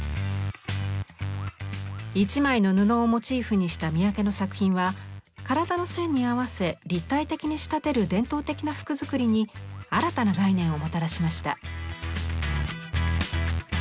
１枚の布をモチーフにした三宅の作品は体の線に合わせ立体的に仕立てる伝統的な服作りに新たな概念をもたらしました。